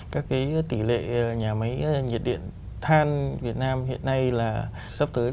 các cái tỷ lệ nhà máy nhiệt điện than việt nam hiện nay là các cái tỷ lệ nhà máy nhiệt điện than việt nam hiện nay là ngày càng cạn kiệt